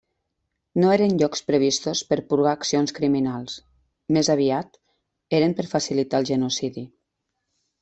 No eren llocs previstos per purgar accions criminals; més aviat, eren per facilitar el genocidi.